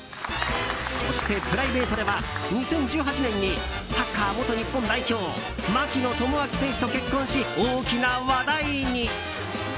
そして、プライベートでは２０１８年にサッカー元日本代表槙野智章選手と結婚し大きな話題に。